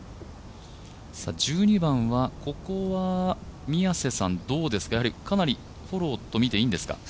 １２番は、宮瀬さん、どうですかかなりフォローと見ていいんですか？